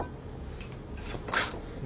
そっか。